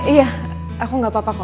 iya aku gak apa apa kok